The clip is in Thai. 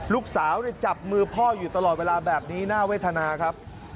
ลูกสาวจับมือพ่ออยู่ตลอดเวลาแบบนี้น่าเวทนาครับ